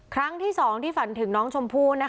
ครั้งที่สองที่ฝันถึงน้องชมพู่นะคะ